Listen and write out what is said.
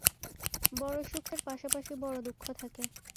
বড় সুখের পাশাপাশি বড় দুঃখ থাকে।